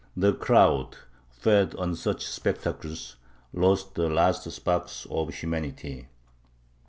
The crowd, fed on such spectacles, lost the last sparks of humanity.